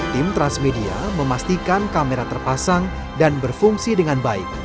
tim transmedia memastikan kamera terpasang dan berfungsi dengan baik